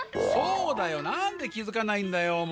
そうだよなんできづかないんだよ